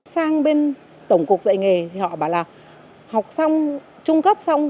sang bên tổng cục dạy nghề thì họ bảo là học xong trung cấp xong